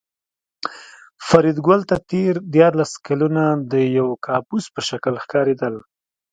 فریدګل ته تېر دیارلس کلونه د یو کابوس په شکل ښکارېدل